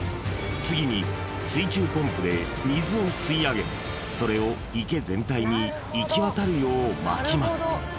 次に水中ポンプで水を吸い上げそれを池全体にいきわたるようまきます